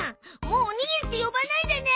もうおにぎりって呼ばないでね！